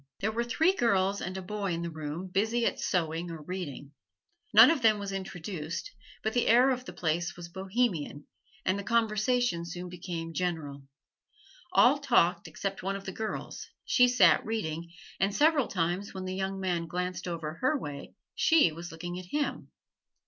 There were three girls and a boy in the room, busy at sewing or reading. None of them was introduced, but the air of the place was Bohemian, and the conversation soon became general. All talked except one of the girls: she sat reading, and several times when the young man glanced over her way she was looking at him.